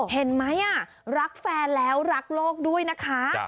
เห็นไหมรักแฟนแล้วรักโลกด้วยนะคะ